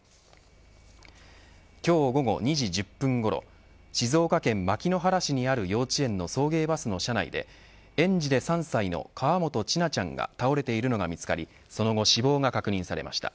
今日午後２時１０分ごろ静岡県牧之原市にある幼稚園の送迎バスの車内で園児で３歳の河本千奈ちゃんが倒れているのが見つかりその後、死亡が確認されました。